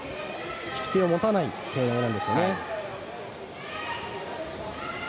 引き手を持たない背負い投げなんですよね。